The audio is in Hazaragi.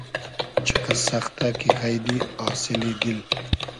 چیقئس سئختۂ کی غݷدی آسیلی دیل